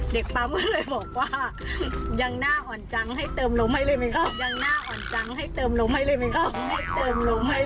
เด็กปั๊มก็เลยบอกว่ายังหน้าอ่อนจังให้เติมลมให้เลยไหมครับ